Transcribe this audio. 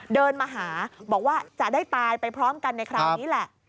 เดินมาหาบอกว่าจะได้ตายไปพร้อมกันในคราวนี้แหละ